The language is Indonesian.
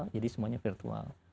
jadi semuanya virtual